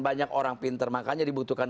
banyak orang pinter makanya dibutuhkan